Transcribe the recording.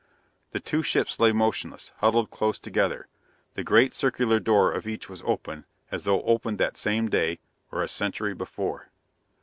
The two ships lay motionless, huddled close together. The great circular door of each was open, as though opened that same day or a century before.